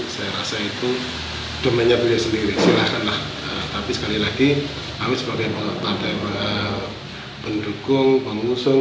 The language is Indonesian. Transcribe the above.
saya rasa itu domennya beliau sendiri silahkanlah tapi sekali lagi kami sebagai partai pendukung pengusung